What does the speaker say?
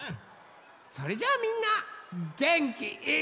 それじゃあみんなげんきいっぱい！